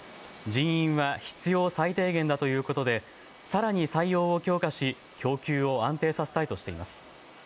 人員は必要最低限だということでさらに採用を強化し供給を安定させたいとしています。